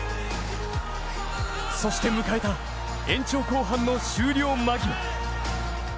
そして迎えた延長後半の終了間際。